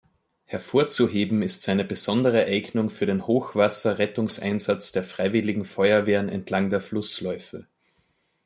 Hervorzuheben ist seine besondere Eignung für den Hochwasser-Rettungseinsatz der Freiwilligen Feuerwehren entlang der Flussläufe.